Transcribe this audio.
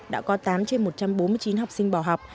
đã có tám trên một trăm bốn mươi chín học sinh bỏ học